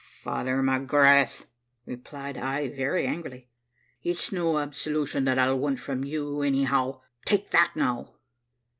"`Father McGrath,' replied I very angrily, `it's no absolution that I'll want from you, any how take that now.'